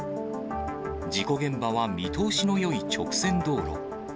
事故現場は見通しのよい直線道路。